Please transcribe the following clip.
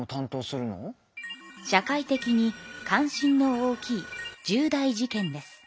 社会的に関心の大きい重大事件です。